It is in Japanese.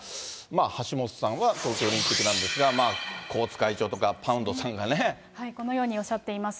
橋下さんは東京オリンピックなんですが、まあ、このようにおっしゃっています。